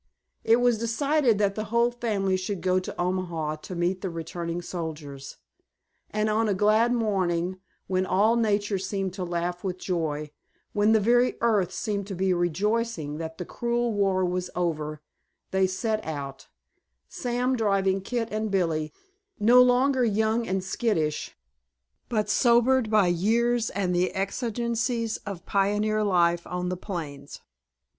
It was decided that the whole family should go to Omaha to meet the returning soldiers. And on a glad morning, when all Nature seemed to laugh with joy, when the very earth seemed to be rejoicing that the cruel war was over, they set out, Sam driving Kit and Billy, no longer young and skittish, but sobered by years and the exigencies of pioneer life on the plains.